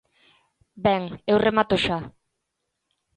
Ben, eu remato xa.